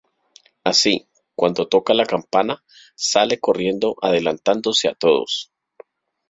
Así, cuando toca la campana, sale corriendo adelantándose a todos.